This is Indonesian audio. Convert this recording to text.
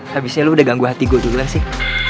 habisnya lu udah ganggu hati gue juga sih